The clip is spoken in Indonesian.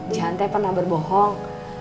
jihan teh pernah berbohong